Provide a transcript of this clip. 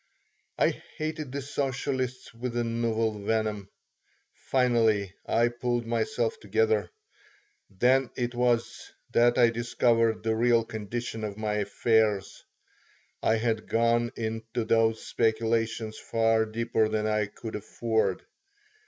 I hated the socialists with a novel venom. Finally I pulled myself together. Then it was that I discovered the real condition of my affairs. I had gone into those speculations far deeper than I could afford.